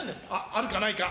あるか、ないか。